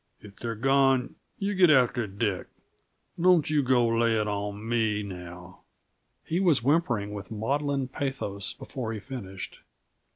If they're gone, you get after Dick. Don't yuh go 'n' lay it on me, now!" He was whimpering with maudlin pathos before he finished.